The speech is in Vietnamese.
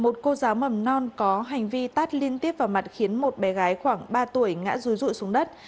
một cô giáo mầm non có hành vi tát liên tiếp vào mặt khiến một bé gái khoảng ba tuổi ngã rúi rụi xuống đất